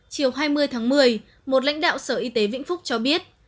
chiều hai mươi tháng một mươi một lãnh đạo sở y tế vĩnh phúc cho biết